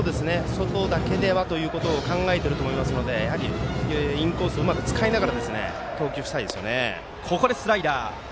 外だけではということを考えていると思いますのでインコースをうまく使いながら投球したいですね。